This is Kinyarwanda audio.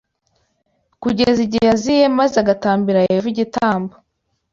kugeza igihe aziye maze agatambira Yehova igitambo